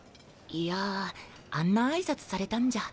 いやあんな挨拶されたんじゃ。